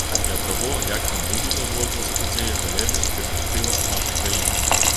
І ад таго, як там будуць разгортвацца падзеі, залежыць і перспектыва нашай краіны.